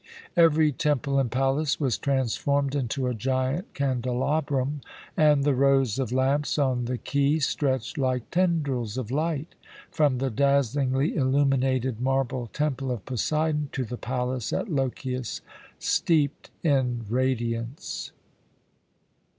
Every temple and palace was transformed into a giant candelabrum, and the rows of lamps on the quay stretched like tendrils of light from the dazzlingly illuminated marble Temple of Poseidon to the palace at Lochias, steeped in radiance.